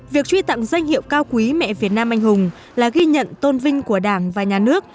việc truy tặng danh hiệu cao quý mẹ việt nam anh hùng là ghi nhận tôn vinh của đảng và nhà nước